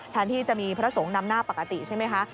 ที่จะมีพระสงฆ์นำหน้าปกติใช่ไหมคะ